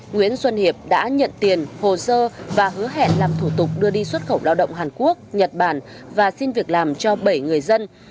nguyễn xuân hiệp đã nhận tiền hồ sơ và hứa hẹn làm thủ tục đưa đi xuất khẩu lao động hàn quốc nhật bản và xin việc làm cho bảy người dân